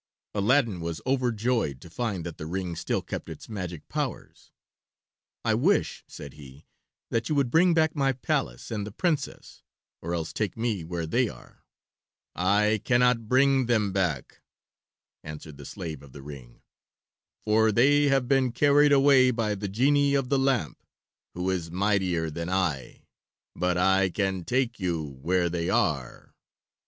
Aladdin was overjoyed to find that the ring still kept its magic powers. "I wish," said he, "that you would bring back my palace and the Princess, or else take me where they are." "I cannot bring them back," answered the slave of the ring, "for they have been carried away by the genie of the lamp, who is mightier than I, but I can take you where they are."